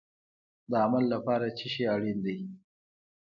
د عمل لپاره څه شی اړین دی؟